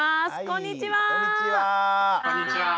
こんにちは。